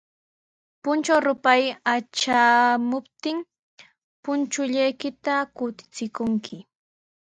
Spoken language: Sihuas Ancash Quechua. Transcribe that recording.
Puntraw rupay atratraamuptin, punchullaykita kutichikunki.